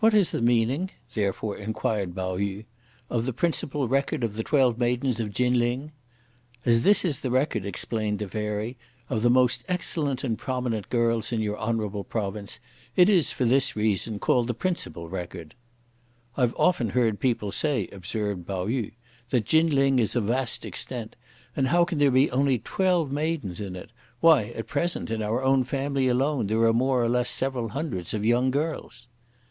"What is the meaning," therefore inquired Pao yü, "of the Principal Record of the Twelve Maidens of Chin Ling?" "As this is the record," explained the Fairy, "of the most excellent and prominent girls in your honourable province, it is, for this reason, called the Principal Record." "I've often heard people say," observed Pao yü, "that Chin Ling is of vast extent; and how can there only be twelve maidens in it! why, at present, in our own family alone, there are more or less several hundreds of young girls!"